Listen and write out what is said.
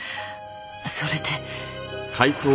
それで。